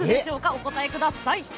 お答えください。